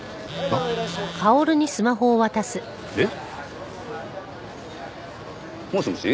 はっ？えっ？もしもし。